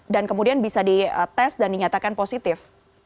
dan kemudian bisa di tes dan dinyatakan positif